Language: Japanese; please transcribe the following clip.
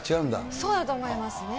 そうだと思いますね。